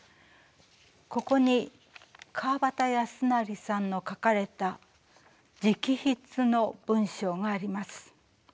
ここに川端康成さんの書かれた直筆の文章があります。